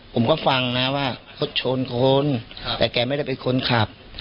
ผมก็ฟังนะว่าเขาชนคนแต่แกไม่ได้เป็นคนขับ